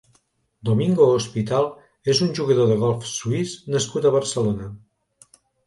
Domingo Hospital és un jugador de golf suís nascut a Barcelona.